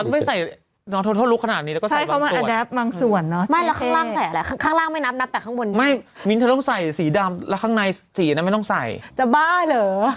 ไม่แต่ว่าอันนี้ไม่กลัวคอตันกลัวเดินชนมองไม่เห็น